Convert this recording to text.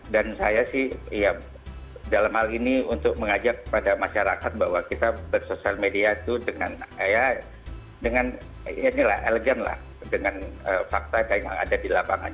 dan saya sih dalam hal ini untuk mengajak kepada masyarakat bahwa kita bersosial media itu dengan elegan lah dengan fakta yang ada di lapangan